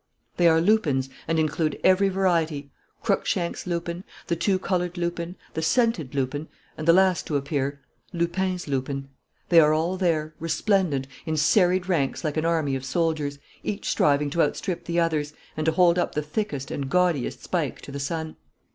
They are lupins and include every variety: Cruikshank's lupin, the two coloured lupin, the scented lupin, and the last to appear, Lupin's lupin. They are all there, resplendent, in serried ranks like an army of soldiers, each striving to outstrip the others and to hold up the thickest and gaudiest spike to the sun.